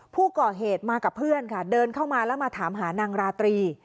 ผู้ก่อเหตุมากับเพื่อนค่ะเดินเข้ามาแล้วมาถามหานางราตรี